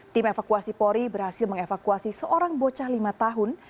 tim evakuasi pori berhasil mengevakuasi seorang bocah lima tahun